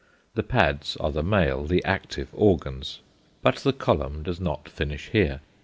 The pads are the male, the active organs. But the column does not finish here.